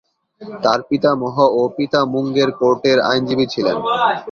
তার পিতামহ ও পিতা মুঙ্গের কোর্টের আইনজীবী ছিলেন।